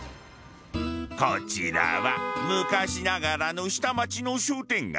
こちらは昔ながらの下町の商店街。